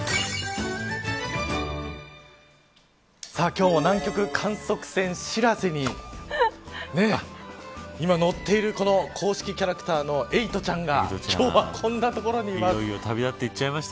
今日は南極観測船しらせに今、乗っているこの公式キャラクターのエイトちゃんが今日はこんな所にいます。